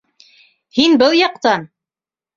Һин был яҡтан!